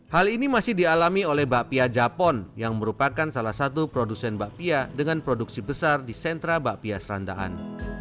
hal ini masih dialami oleh bakpia japon yang merupakan salah satu produsen bakpia dengan produksi besar di sentra bakpia serandaan